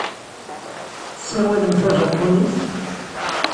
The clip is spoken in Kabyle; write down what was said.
Tessawalem tajapunit.